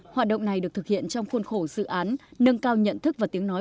hoạt động này được thực hiện trong khuôn khổ dự án nâng cao nhận thức và tiếng nói